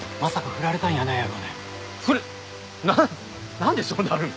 フラななんでそうなるの！？